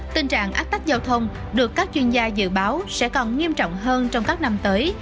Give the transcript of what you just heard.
tình trạng ách tắc giao thông được các chuyên gia dự báo sẽ còn nghiêm trọng hơn trong các năm tới